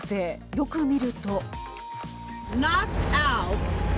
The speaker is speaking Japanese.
よく見ると。